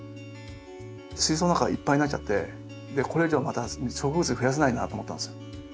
水槽の中がいっぱいになっちゃってこれ以上また植物増やせないなと思ったんですよ。